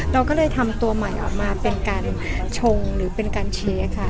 เราก็เลยทำตัวใหม่ออกมาเป็นการชงหรือเป็นการเช็คค่ะ